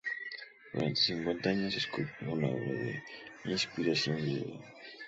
Durante cincuenta años esculpió una obra de inspiración griega.